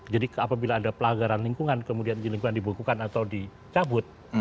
jadi apabila ada pelagaran lingkungan kemudian izin lingkungan dibekukan atau dicabut